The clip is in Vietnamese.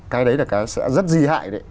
cái đấy là cả sự rất di hại đấy